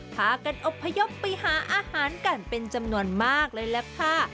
พากันอบพยพไปหาอาหารกันเป็นจำนวนมากเลยแหละค่ะ